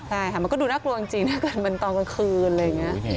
ใช่ค่ะมันก็ดูน่ากลัวจริงถ้าเกิดเป็นตอนกลางคืนอะไรอย่างนี้